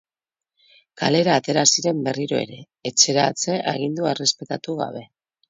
Kalera atera ziren berriro ere, etxeratze-agindua errespetatu gabe.